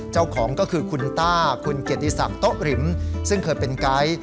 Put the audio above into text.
เจ้าของก็คือคุณต้าคุณเกียรติศักดิ์โต๊ะริมซึ่งเคยเป็นไก๊